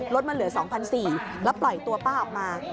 รถมันเหลือ๒๔๐๐บาทแล้วปล่อยตัวป้าออกมา